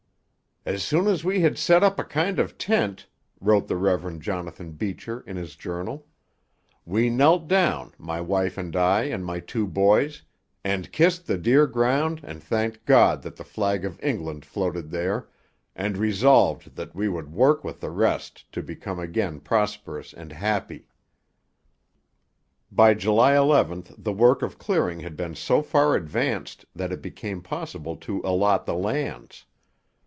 'As soon as we had set up a kind of tent,' wrote the Rev. Jonathan Beecher in his Journal, 'we knelt down, my wife and I and my two boys, and kissed the dear ground and thanked God that the flag of England floated there, and resolved that we would work with the rest to become again prosperous and happy.' By July 11 the work of clearing had been so far advanced that it became possible to allot the lands.